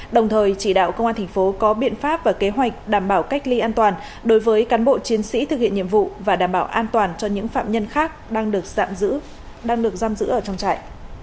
đồng thời chỉ đạo công an thành phố có biện pháp và kế hoạch đảm bảo cách ly an toàn đối với cán bộ chiến sĩ thực hiện nhiệm vụ và đảm bảo an toàn cho những phạm nhân khác đang được giam giữ ở trong trại